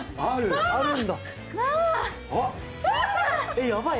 えっやばい！